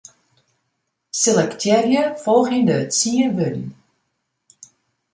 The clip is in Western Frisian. Selektearje folgjende tsien wurden.